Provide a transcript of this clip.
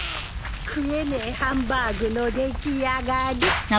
食えねえハンバーグの出来上がり。